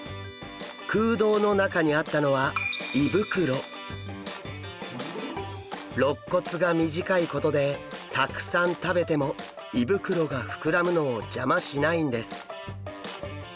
空洞の中にあったのはろっ骨が短いことでたくさん食べても胃袋が膨らむのを邪魔しないんです。